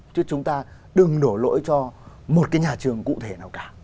chứ chúng ta đừng đổ lỗi cho một cái nhà trường cụ thể nào cả